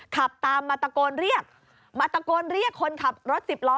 ขับตามมาตะโกนเรียกมาตะโกนเรียกคนขับรถสิบล้อ